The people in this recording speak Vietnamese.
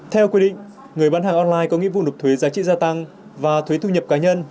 theo quy định người bán hàng online có nghĩa vụ nộp thuế giá trị gia tăng và thuế thu nhập cá nhân